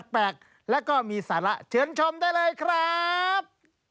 แปลกและก็มีสาระเชิญชมได้เลยครับ